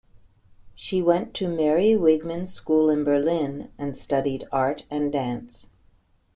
She went to Mary Wigman's school in Berlin and studied art and dance.